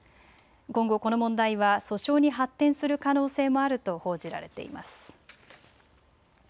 今後、この問題は訴訟に発展する可能性もあると報じられています。